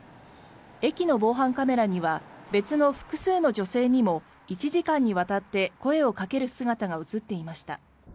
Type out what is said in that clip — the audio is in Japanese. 駅の防犯カメラには別の複数の女性にも１時間にわたって声をかける姿が映っていました。